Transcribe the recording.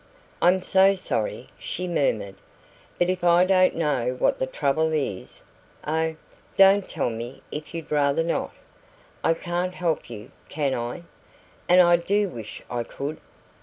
"I'm so sorry!" she murmured. "But if I don't know what the trouble is oh, don't tell me if you'd rather not! I can't help you, can I? And I do wish I could!"